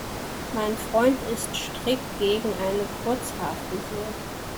Mein Freund ist strikt gegen eine Kurzhaarfrisur.